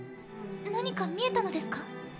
何か見えたのですか？